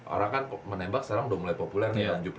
orang kan menembak sekarang udah mulai populer nih